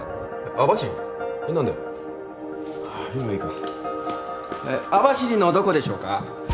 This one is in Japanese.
網走のどこでしょうか？